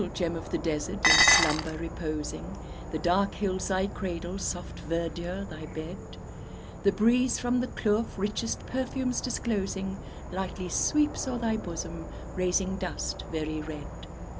"Gem of the Desert," in slumber reposing, The dark hills thy cradle, soft verdure thy bed; The breeze from the kloof richest perfumes disclosing, Lightly sweeps o'er thy bosom, raising dust very red.